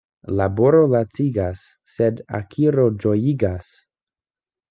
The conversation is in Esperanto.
Laboro lacigas, sed akiro ĝojigas.